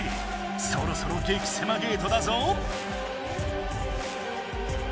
そろそろ激せまゲートだぞ！